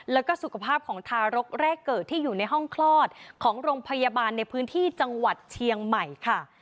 แล้วก็สุขภาพของทารกแรกเกิดที่อยู่ในห้องคลอดของโรงพยาบาลในพื้นที่จังหวัดเชียงใหม่ค่ะ